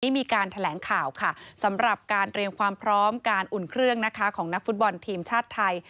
มีการแถลงข่าวค่ะสำหรับการเตรียมความพร้อมการอุ่นเครื่องนะคะของนักฟุตบอลทีมชาติไทย